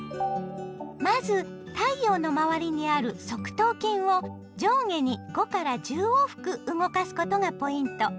まず太陽の周りにある側頭筋を上下に５１０往復動かすことがポイント。